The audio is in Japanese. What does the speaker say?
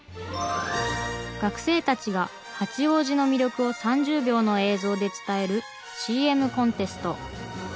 学生たちが八王子の魅力を３０秒の映像で伝えるＣＭコンテスト。